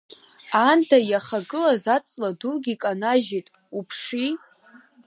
Аанда иахагылаз аҵла дугьы канажьит, уԥши…